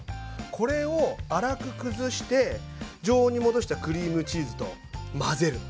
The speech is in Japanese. これを粗く崩して常温に戻したクリームチーズと混ぜる。